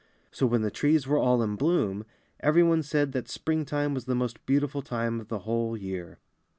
So when the trees were all in bloom, every one said that Spring time was the most beautiful time of the whole year.